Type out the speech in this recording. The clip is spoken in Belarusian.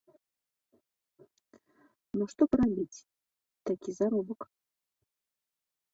Ну што парабіць, такі заробак!